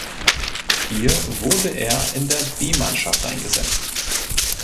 Hier wurde er in der B–Mannschaft eingesetzt.